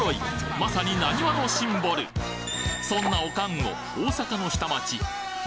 まさになにわのシンボルそんなオカンを大阪の下町東